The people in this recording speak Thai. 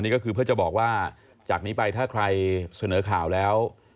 นี่ก็คือเพื่อจะบอกว่าจากนี้ไปถ้าใครเสนอข่าวแล้ว